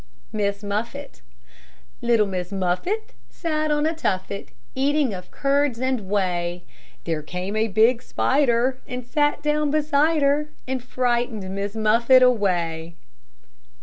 MISS MUFFET Little Miss Muffet Sat on a tuffet, Eating of curds and whey; There came a big spider, And sat down beside her, And frightened Miss Muffet away.